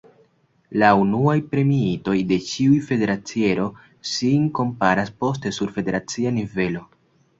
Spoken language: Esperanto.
La unuaj premiitoj de ĉiu federaciero sin komparas poste sur federacia nivelo.